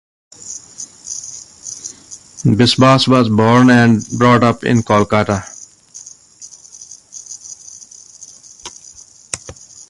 Biswas was born and brought up in Kolkata.